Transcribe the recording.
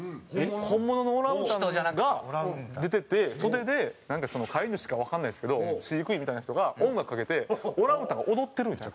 本物のオランウータンが出てて袖でなんか飼い主かわかんないですけど飼育員みたいな人が音楽かけてオランウータンが踊ってるみたいな。